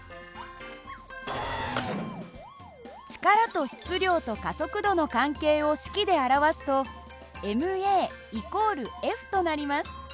力と質量と加速度の関係を式で表すとｍａ＝Ｆとなります。